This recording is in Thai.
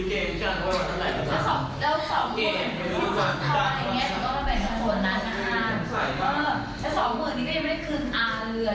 ถ้าสองถ้าสองหมื่นถ้าสองหมื่นนี่ก็ยังไม่ได้คืนอ่าเหลือ